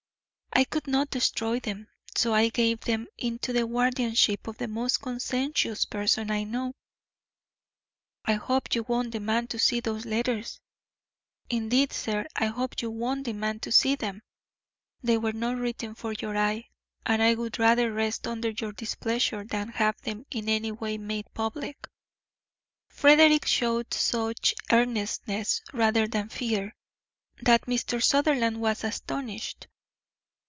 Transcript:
I could not destroy them, so I gave them into the guardianship of the most conscientious person I know. I hope you won't demand to see those letters. Indeed, sir, I hope you won't demand to see them. They were not written for your eye, and I would rather rest under your displeasure than have them in any way made public." Frederick showed such earnestness, rather than fear, that Mr. Sutherland was astonished.